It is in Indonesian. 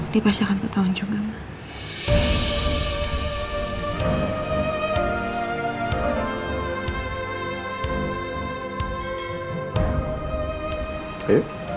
dipasangkan ke tahun juga ma